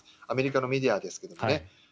アメリカのメディアですけどもね。